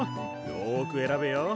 よく選べよ。